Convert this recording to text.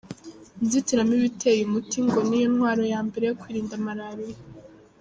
Inzitiramibu iteye umuti ngo niyo ntwaro ya mbere yo kwirinda malaria.